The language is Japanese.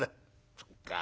「そっか。